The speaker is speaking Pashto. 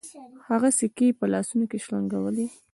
هغه سکې په لاسونو کې شرنګولې.